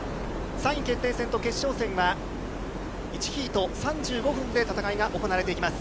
３位決定戦と決勝戦は、１フィート３５分で戦いが行われていきます。